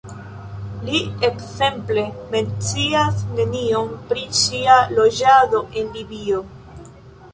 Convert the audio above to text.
Li, ekzemple, mencias nenion pri ŝia loĝado en Libio.